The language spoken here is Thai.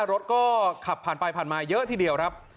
รถก็ขับผ่านไปผ่านมาเยอะทีเดียวครับ